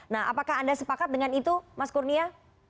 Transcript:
nah apakah anda sepakat dengan itu mas kurnia